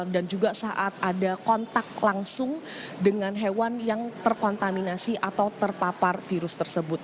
dan juga saat ada kontak langsung dengan hewan yang terkontaminasi atau terpapar virus tersebut